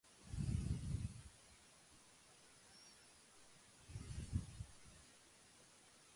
Alfred thus became "Hereditary Prince of Saxe-Coburg and Gotha".